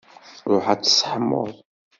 Ṛuḥ ad tseḥmuḍ.